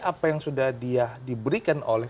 apa yang sudah dia diberikan oleh